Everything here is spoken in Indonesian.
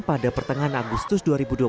pada pertengahan agustus dua ribu dua puluh